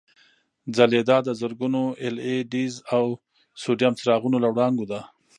ځلېدا د زرګونو اېل ای ډیز او سوډیم څراغونو له وړانګو ده.